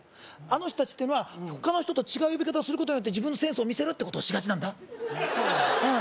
あの人達っていうのは他の人と違う呼び方をすることによって自分のセンスを見せるってことをしがちなんだえっそうなの？